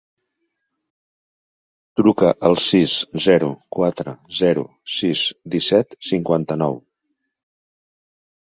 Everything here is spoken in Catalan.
Truca al sis, zero, quatre, zero, sis, disset, cinquanta-nou.